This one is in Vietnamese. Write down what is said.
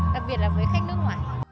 đặc biệt là với khách nước ngoài